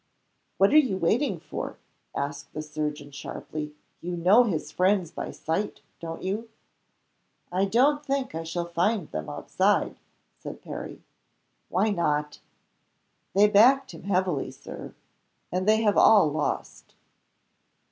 "What are you waiting for?" asked the surgeon, sharply. "You know his friends by sight, don't you?" "I don't think I shall find them outside," said Perry. "Why not?" "They backed him heavily, Sir and they have all lost."